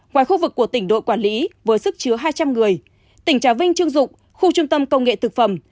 ngoài khu vực của tỉnh đội quản lý với sức chứa hai trăm linh người tỉnh trà vinh chương dụng khu trung tâm công nghệ thực phẩm